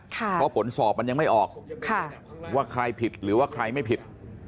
เพราะผลสอบมันยังไม่ออกว่าใครผิดหรือว่าใครไม่ผิด